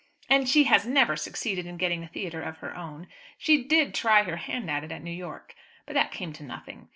And she has never succeeded in getting a theatre of her own. She did try her hand at it at New York, but that came to nothing.